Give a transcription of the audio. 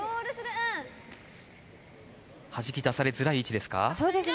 はじき出されづらい位置ですか？